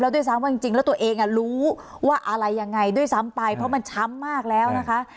ด้วยซ้ำว่าจริงแล้วตัวเองรู้ว่าอะไรยังไงด้วยซ้ำไปเพราะมันช้ำมากแล้วนะคะ